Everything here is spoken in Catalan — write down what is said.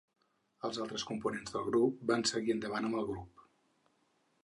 Els altres components del grup van seguir endavant amb el grup.